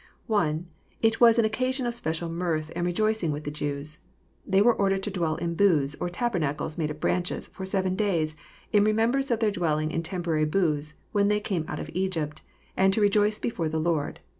](1) It was an occasion of special mirth and rejoicing with the Jews. They were ordered to dwell in booths, or tabernacles made of branches, for seven days, in remembrance of their dwelling in temporary booths when they came out ofEgypt, and to '* rejoice before the Lord."